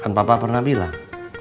kan papa pernah bilang